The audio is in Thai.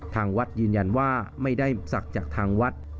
ทางวัดยืนยันว่าไม่ได้ศักดิ์จากทางวัด